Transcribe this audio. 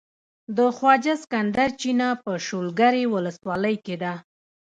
د خواجه سکندر چينه په شولګرې ولسوالۍ کې ده.